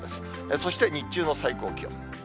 そして日中の最高気温。